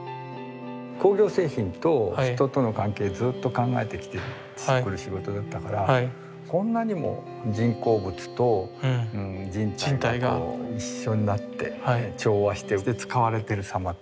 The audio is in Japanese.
工業製品と人との関係をずっと考えてくる仕事だったからこんなにも人工物と人体がこう一緒になって調和して使われてる様ってなかなかないよねって。